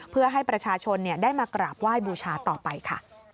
เพื่อให้ประชาชนได้มากราบไหว้บูชาต่อไปค่ะ